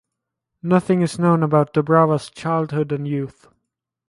Nothing is known about Dobrawa's childhood and youth.